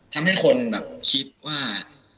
ทำให้คนแบบคิดว่า